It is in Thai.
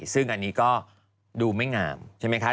ซึ่งอันนี้ก็ดูไม่งามใช่ไหมคะ